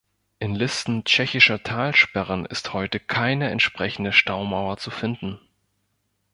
In Listen tschechischer Talsperren ist heute keine entsprechende Staumauer zu finden.